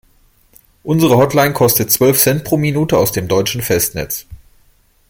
Unsere Hotline kostet zwölf Cent pro Minute aus dem deutschen Festnetz.